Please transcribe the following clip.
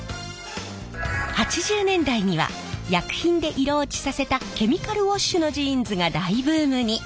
８０年代には薬品で色落ちさせたケミカルウォッシュのジーンズが大ブームに。